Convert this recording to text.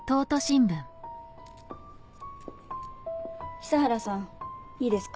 久原さんいいですか？